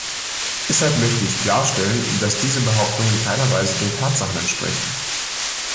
Deshalb möchte ich klarstellen, dass diese Behauptungen in keiner Weise den Tatsachen entsprechen.